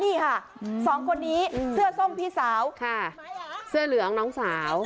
นี่ค่ะสองคนนี้เสื้อส้มพี่สาวค่ะเสื้อเหลืองน้องสาว